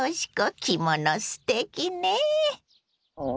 着物すてきね。